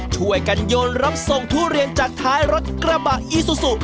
ช่วยกันโยนรับส่งทุเรียนจากท้ายรถกระบะอีซูซู